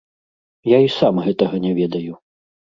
Я і сам гэтага не ведаю.